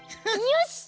よし！